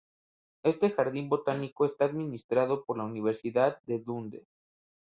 Este jardín botánico está administrado por la Universidad de Dundee.